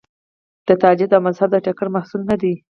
د تجدد او مذهب د ټکر محصول نه دی.